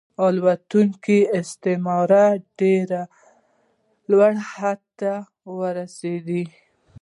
لوټونکی استثمار ډیر لوړ حد ته ورسید.